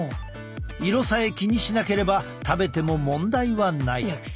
色さえ気にしなければ食べても問題はない。